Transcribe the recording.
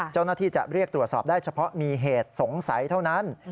เจ้าหน้าที่จะเรียกตรวจสอบได้เฉพาะมีเหตุสงสัยเท่านั้น